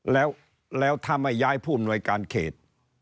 แล้วถ้าไม่ย้ายผู้อำนวยการเขต